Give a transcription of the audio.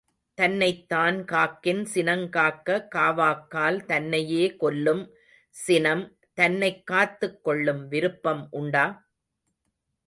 தன்னைத்தான் காக்கின் சினங்காக்க காவாக்கால் தன்னையே கொல்லும் சினம் தன்னைக் காத்துக் கொள்ளும் விருப்பம் உண்டா?